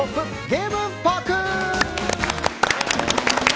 ゲームパーク！